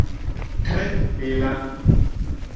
Tre bela!